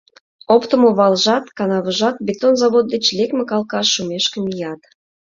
Оптымо валжат, канавыжат бетон завод деч лекме калкаш шумешке мият.